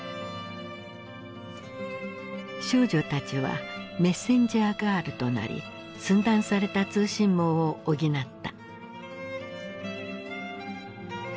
少女たちはメッセンジャーガールとなり寸断された通信網を補った。